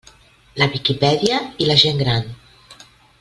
La Viquipèdia i la gent gran.